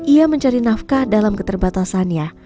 ia mencari nafkah dalam keterbatasannya